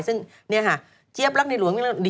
ซึ่งนี่ค่ะเจี๊ยบรักในหลวง